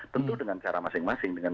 tentu dengan cara masing masing dengan